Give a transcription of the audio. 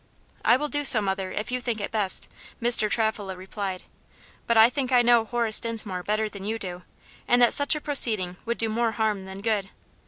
"I will do so, mother, if you think it best," Mr. Travilla replied; "but I think I know Horace Dinsmore better than you do, and that such a proceeding would do more harm than good.